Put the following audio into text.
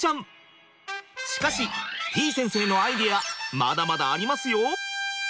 しかしてぃ先生のアイデアまだまだありますよ！